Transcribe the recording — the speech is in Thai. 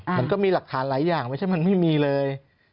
มันก็มีหลักฐานหลายอย่างไม่ใช่มันไม่มีเลย